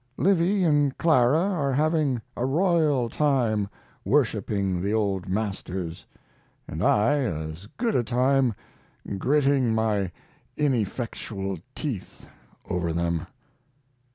Livy and Clara are having a royal time worshiping the old masters, and I as good a time gritting my ineffectual teeth over them.